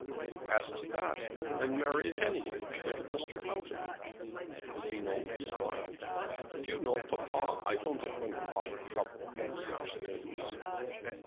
"As to that, men marry at any age. Look at Mr. Houghton." The Dean only smiled. "Do you know, papa, I don't think one ought to trouble about such things."